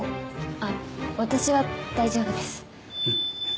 あっ私は大丈夫です。